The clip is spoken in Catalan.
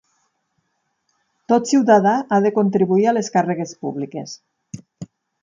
Tot ciutadà ha de contribuir a les càrregues públiques.